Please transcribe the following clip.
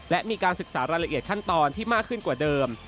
และมีการศึกษารายละเอียดขั้นตอนที่มากขึ้นกว่าเดิม